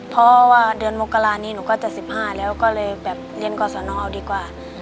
เพราะว่าเดือนมกรานี้หนูก็๗๕แล้วก็เลยแบบเรียนกรสนเอาดีกว่า